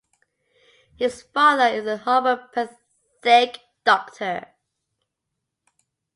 His father is a homeopathic doctor.